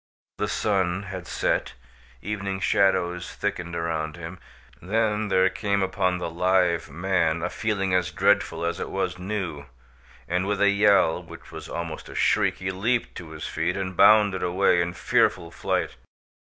The sun had set, evening shadows thickened around him. Then there came upon the live man a feeling as dreadful as it was new, and, with a yell, which was almost a shriek, he leaped to his feet and bounded away in fearful flight.